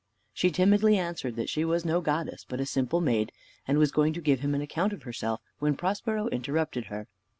She timidly answered, she was no goddess, but a simple maid, and was going to give him an account of herself, when Prospero interrupted her.